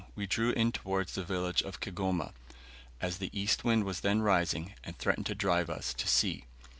we drew in towards the village of Kigoma, as the east wind was then rising, and threatened to drive us to sea.